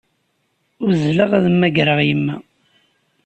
Uzzleɣ ad mmagreɣ yemma.